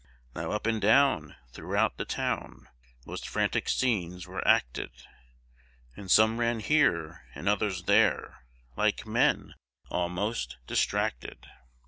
Now up and down, throughout the town Most frantic scenes were acted; And some ran here, and others there, Like men almost distracted.